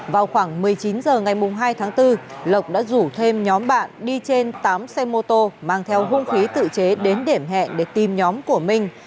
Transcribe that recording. vào khoảng một mươi chín h ngày hai tháng bốn lộc đã rủ thêm nhóm bạn đi trên tám xe mô tô mang theo hung khí tự chế đến điểm hẹn để tìm nhóm của minh